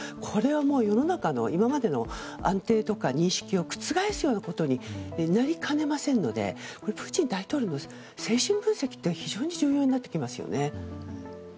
これはもう世の中の今までの安定とか認識を覆すようなことになりかねませんのでプーチン大統領の精神分析が非常に重要になってきますよね。